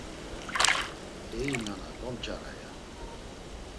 Eyi nana domç̌ara, ya.